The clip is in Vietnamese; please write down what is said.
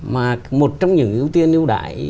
mà một trong những ưu tiên ưu đãi